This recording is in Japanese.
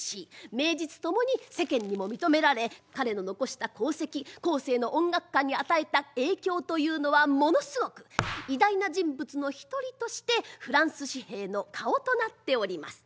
名実共に世間にも認められ彼の残した功績後世の音楽家に与えた影響というのはものすごく偉大な人物の一人としてフランス紙幣の顔となっております。